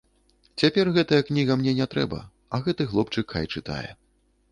Цяпер гэтая кніга мне не трэба, а гэты хлопчык хай чытае.